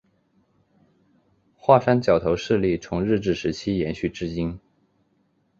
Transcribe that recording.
华山角头势力从日治时期延续至今。